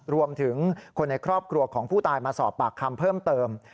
รวมถึงคนในครอบครัวของผู้ตายมาสอบปากคำเพิ่มเติม